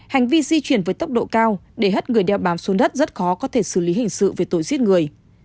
hành vi di chuyển với tốc độ cao để hất người đeo bám xuống đất rất khó có thể xử lý hình sự về tội giết người